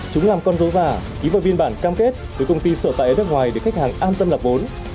chúng làm con dấu giả ký vào biên bản cam kết với công ty sở tại ở nước ngoài để khách hàng an tâm lập vốn